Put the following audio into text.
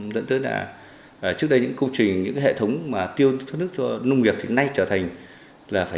dẫn tới là trước đây những công trình những hệ thống mà tiêu thức cho nông nghiệp thì nay trở thành